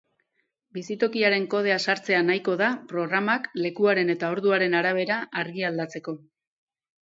Bizitokiaren kodea sartzea nahiko da programak lekuaren eta orduaren arabera argia aldatzeko.